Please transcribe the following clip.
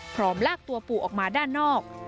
ลากตัวปู่ออกมาด้านนอก